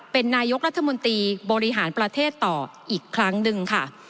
เป็นนายกรัฐมนตรีบริหารประเทศต่ออีกครั้งหนึ่งค่ะ